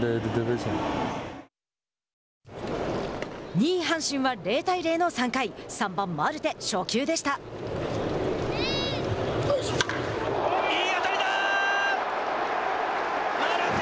２位阪神は、０対０の３回３番マルテ。